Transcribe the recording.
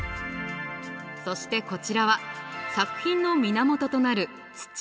そしてこちらは作品の源となる土。